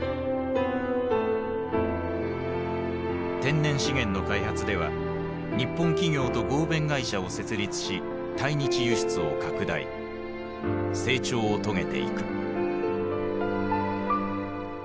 天然資源の開発では日本企業と合弁会社を設立し対日輸出を拡大成長を遂げていく。